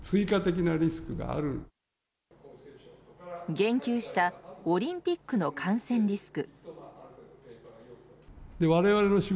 言及したオリンピックの感染リスク。